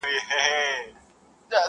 له امیانو څه ګیله ده له مُلا څخه لار ورکه٫